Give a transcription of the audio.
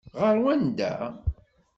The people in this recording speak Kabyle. Ɣer wanda?